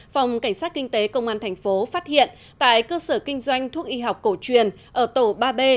phòng cảnh sát kinh tế công an thành phố phát hiện tại cơ sở kinh doanh thuốc y học cổ truyền ở tổ ba b